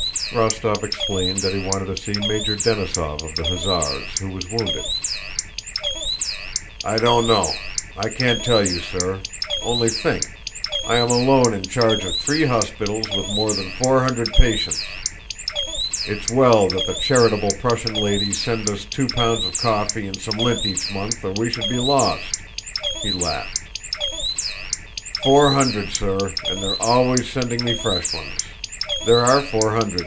Rostóv explained that he wanted to see Major Denísov of the hussars, who was wounded. "I don't know. I can't tell you, sir. Only think! I am alone in charge of three hospitals with more than four hundred patients! It's well that the charitable Prussian ladies send us two pounds of coffee and some lint each month or we should be lost!" he laughed. "Four hundred, sir, and they're always sending me fresh ones. There are four hundred?